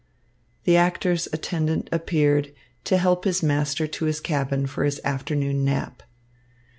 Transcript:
The actor's attendant appeared, to help his master to his cabin for his afternoon nap.